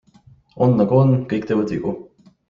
On nagu on, kõik teevad vigu.